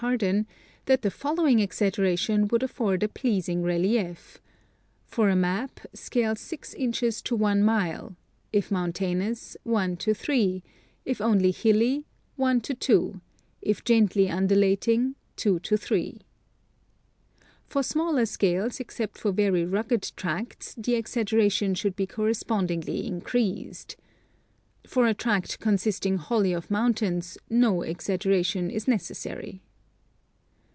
Harden, that the following exaggeration would afford a pleasing relief :" For a map, scale 6 inches to I mile : if mountainous, 1:3; if only hilly, 1:2; if gently undulating, 2:3. For smaller scales, except for very rugged tracts, the exaggeration should be correspondingly increased. For a tract consisting wholly of mountains no exag geration is necessary."